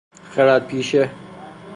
خرد پیشه